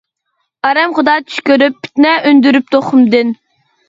ئارام خۇدا چۈش كۆرۈپ، پىتنە ئۈندۈرۈپ تۇخۇمدىن.